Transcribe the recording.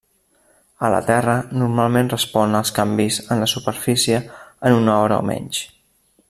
A la Terra normalment respon als canvis en la superfície en una hora o menys.